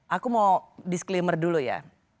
aku mau disclaimer dulu ya